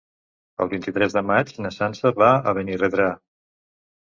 El vint-i-tres de maig na Sança va a Benirredrà.